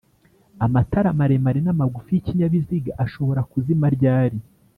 amatara maremare n’amagufi y’ikinyabiziga ashobora kuzima ryali